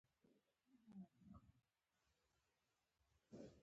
زه لا هماغسې د کړکۍ شاته ولاړ وم.